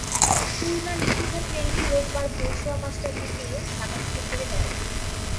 তূর্ণা নিশীথা ট্রেনটি রোববার ভোর সোয়া পাঁচটার দিকে ঢাকা থেকে ছেড়ে যায়।